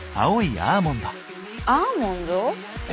アーモンド⁉え？